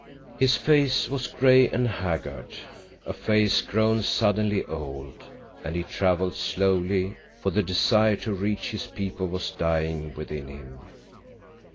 His face was gray and haggard, a face grown suddenly old, and he traveled slowly, for the desire to reach his people was dying within him.